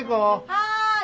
・はい！